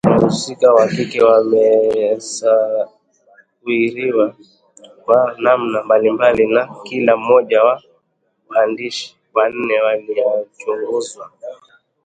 Wahusika wa kike wamesawiriwa kwa namna mbalimbali na kila mmoja wa waandishi wanne waliochunguzwa